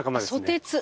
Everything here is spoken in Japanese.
ソテツ。